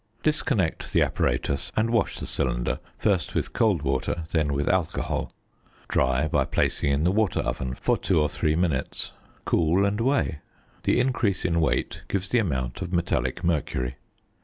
Disconnect the apparatus, and wash the cylinder, first with cold water, then with alcohol. Dry by placing in the water oven for two or three minutes. Cool and weigh: the increase in weight gives the amount of metallic mercury.